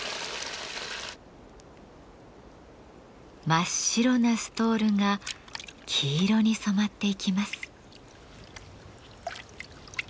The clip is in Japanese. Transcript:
真っ白なストールが黄色に染まっていきます。